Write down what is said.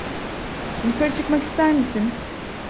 Yukarı çıkmak ister misin?